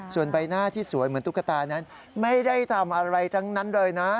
ส่วนใบหน้าที่สวยเหมือนตุ๊กตานั้นไม่ได้ทำอะไรทั้งนั้นเลยนะ